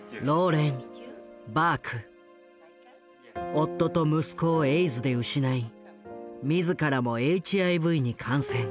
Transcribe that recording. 夫と息子をエイズで失い自らもＨＩＶに感染。